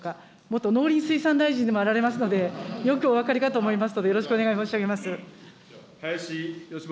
元農林水産大臣でもあられますので、よくお分かりかと思いますので、よろしくお願いします。